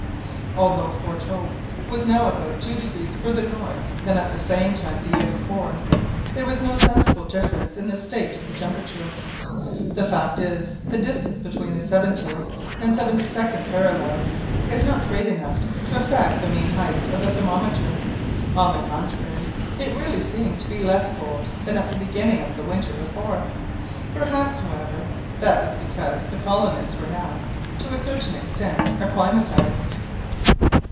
Although Fort Hope was now about two degrees farther north than at the same time the year before, there was no sensible difference in the state of the temperature. The fact is, the distance between the seventieth and seventy second parallels is not great enough to affect the mean height of the thermometer, on the contrary, it really seemed to be less cold than at the beginning of the winter before. Perhaps, however, that was because the colonists were now, to a certain extent, acclimatised.